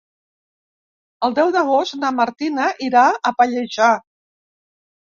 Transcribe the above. El deu d'agost na Martina irà a Pallejà.